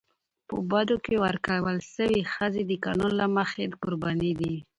په بدو کي ورکول سوي ښځي د قانون له مخي قرباني دي.